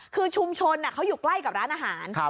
คือชุมชนเขาอยู่ใกล้กับร้านอาหาร